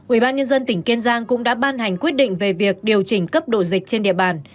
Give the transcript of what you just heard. ubnd tỉnh kiên giang cũng đã ban hành quyết định về việc điều chỉnh cấp độ dịch trên địa bàn